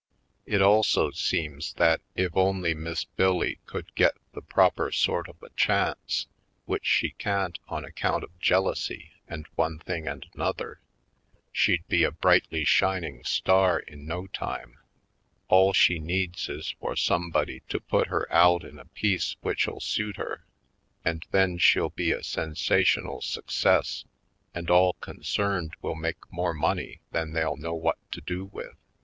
It also seems that if only Miss Bill Lee could get the proper sort of a chance, which she can't on account of jealousy and one thing and an other, she'd be a brightly shining star in no time. All she needs is for somebody to put her out in a piece which'll suit her and then she'll be a sensational success and all con cerned will make more money than they'll know what to do with.